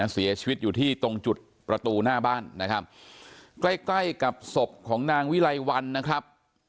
เสียชีวิตอยู่ที่ตรงจุดประตูหน้าบ้านนะครับใกล้ใกล้กับศพของนางวิไลวันนะครับ